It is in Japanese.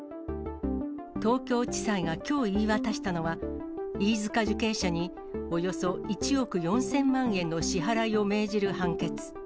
東京地裁がきょう言い渡したのは、飯塚受刑者におよそ１億４０００万円の支払いを命じる判決。